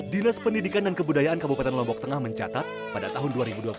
dinas pendidikan dan kebudayaan kabupaten lombok tengah mencatat pada tahun dua ribu dua puluh satu